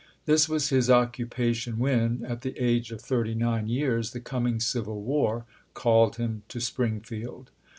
This was his occupation when, at the age of thirty nine years, the coming civil war called him to Springfield.